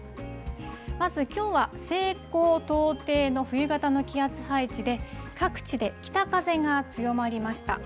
まずきょうは、西高東低の冬型の気圧配置で、各地で北風が強まりました。